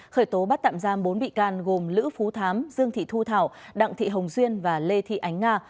khởi tố bắt tạm giam bốn bị can gồm lữ phú thám dương thị thu thảo đặng thị hồng duyên và lê thị ánh nga